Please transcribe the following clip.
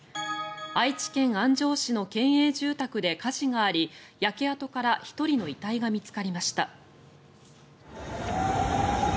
愛知県安城市の県営住宅で火事があり焼け跡から１人の遺体が見つかりました。